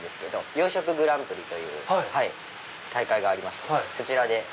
洋食グランプリという大会がありましてそちらで。